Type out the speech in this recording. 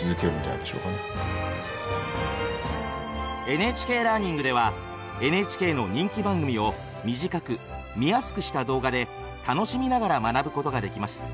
「ＮＨＫラーニング」ではＮＨＫの人気番組を短く見やすくした動画で楽しみながら学ぶことができます。